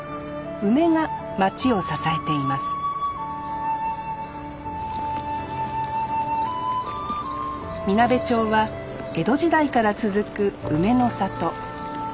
梅が町を支えていますみなべ町は江戸時代から続く梅の里。